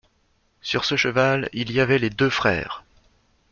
Sur ce cheval il y avait les deux frères.